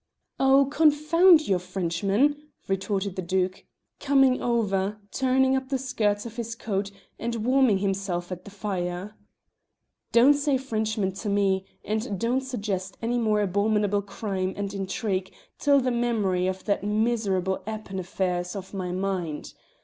"Oh, confound your Frenchman!" retorted the Duke, coming over, turning up the skirts of his coat, and warming himself at the fire. "Don't say Frenchman to me, and don't suggest any more abominable crime and intrigue till the memory of that miserable Appin affair is off my mind.